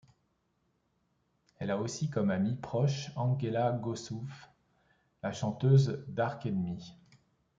Elle a aussi comme amie proche Angela Gossow, la chanteuse d'Arch Enemy.